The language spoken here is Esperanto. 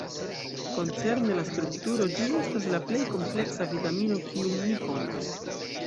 Koncerne la strukturo ĝi estas la plej kompleksa vitamino kiun ni konas.